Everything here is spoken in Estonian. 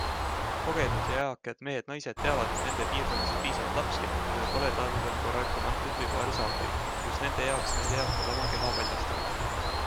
Kogenud ja eakad mehed-naised teavad, et nende piirkonnas on piisavalt lapsi, kellel pole talvel korralikku mantlit või paari saapaid - just nende heaks need eakad oma keha paljastavad.